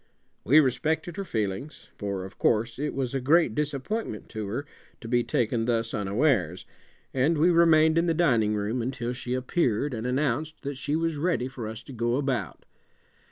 We respected her feelings, for, of course, it was a great disappointment to her to be taken thus unawares, and we remained in the dining room until she appeared and announced that she was ready for us to go about.